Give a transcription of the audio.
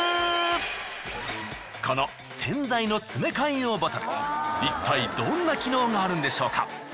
この洗剤の詰め替え用ボトルいったいどんな機能があるんでしょうか？